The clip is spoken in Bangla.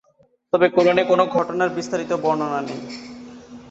তবে কুরআনে কোনও ঘটনার বিস্তারিত বর্ণনা নেই।